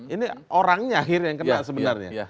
ini orangnya akhirnya yang kena sebenarnya